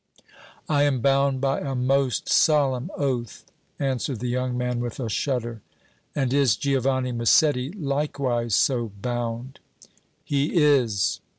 "I am bound by a most solemn oath!" answered the young man with a shudder. "And is Giovanni Massetti likewise so bound?" "He is!"